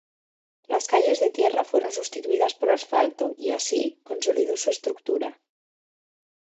Las calles de tierra fueron sustituidas por asfalto y, así, consolidó su estructura.